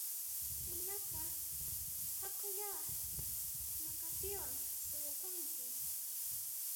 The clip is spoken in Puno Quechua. Chaynaqa hakuyá nuqapiwan suyasunchis